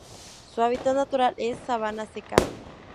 Su hábitat natural es:sabana seca